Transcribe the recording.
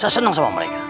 saya senang sama mereka